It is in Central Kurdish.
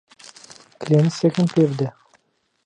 کلێنکسێکم پێ بدە.